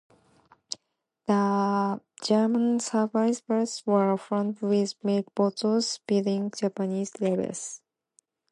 The German survivors were found with milk bottles bearing Japanese labels.